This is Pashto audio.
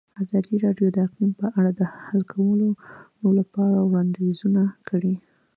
ازادي راډیو د اقلیم په اړه د حل کولو لپاره وړاندیزونه کړي.